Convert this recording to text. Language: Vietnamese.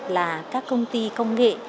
là các công ty công nghệ